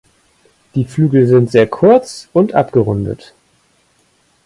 Die Flügel sind sehr kurz und abgerundet.